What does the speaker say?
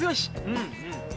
うんうん。